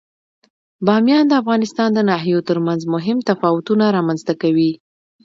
بامیان د افغانستان د ناحیو ترمنځ مهم تفاوتونه رامنځ ته کوي.